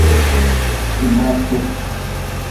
Tibate.